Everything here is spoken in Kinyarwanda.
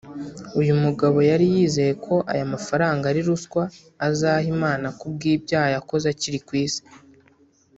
uyu mugabo yari yizeye ko aya mafaranga ari ruswa azaha Imana ku bw’ibyaha yakoze akiri ku isi